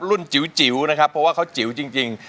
จิ๋วนะครับเพราะว่าเขาจิ๋วจริง